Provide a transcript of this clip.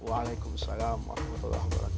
waalaikumsalam warahmatullahi wabarakatuh